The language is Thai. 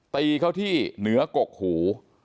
ตีเข้าที่เหนือกกหู